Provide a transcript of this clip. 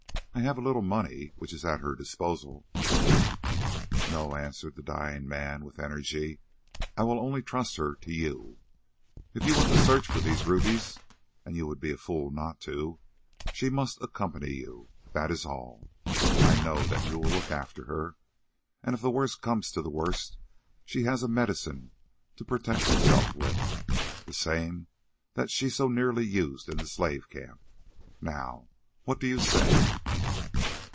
I have a little money which is at her disposal." "No," answered the dying man with energy, "I will only trust her to you. If you want to search for these rubies, and you would be a fool not to, she must accompany you—that is all. I know that you will look after her, and if the worst comes to the worst, she has a medicine to protect herself with, the same that she so nearly used in the slave camp. Now, what do you say?"